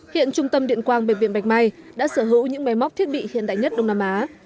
hiện trung tâm điện quang bệnh viện bạch mai đã sở hữu những máy móc thiết bị hiện đại nhất đông nam á